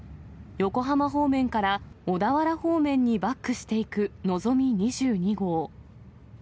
横浜方面から小田原方面にバックしていくのぞみ２２号。